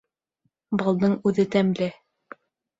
Балдың үҙе тәмле